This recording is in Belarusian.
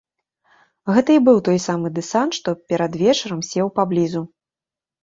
Гэта і быў той самы дэсант, што перад вечарам сеў поблізу.